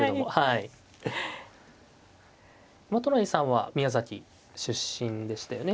都成さんは宮崎出身でしたよね。